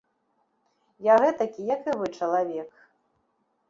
Я гэтакі, як і вы, чалавек.